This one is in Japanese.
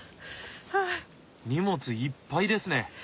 荷物いっぱいですね。